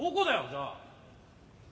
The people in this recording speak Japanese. じゃあ。